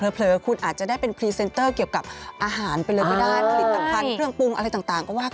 เผลอคุณอาจจะได้เป็นพรีเซนเตอร์เกี่ยวกับอาหารเป็นเรื่องด้านผลิตต่างเพื่องปรุงอะไรต่างก็ว่ากันไป